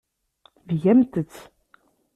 Tgamt-tt!